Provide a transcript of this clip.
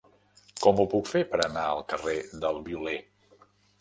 Com ho puc fer per anar al carrer del Violer?